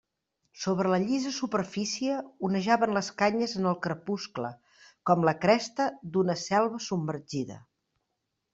Sobre la llisa superfície onejaven les canyes en el crepuscle, com la cresta d'una selva submergida.